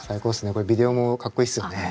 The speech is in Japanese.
これビデオもかっこいいっすよね。